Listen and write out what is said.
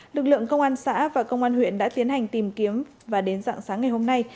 lực lượng công an xã và công an huyện đã tiến hành tìm kiếm và đến dạng sáng ngày hôm nay